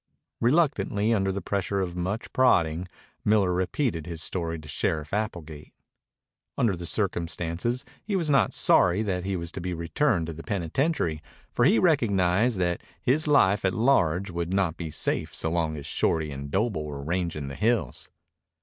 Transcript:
Reluctantly, under the pressure of much prodding, Miller repeated his story to Sheriff Applegate. Under the circumstances he was not sorry that he was to be returned to the penitentiary, for he recognized that his life at large would not be safe so long as Shorty and Doble were ranging the hills.